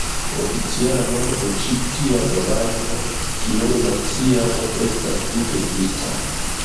Oficiala nomo de ĉi tia domajno kiel "nacia" ne estas tute ĝusta.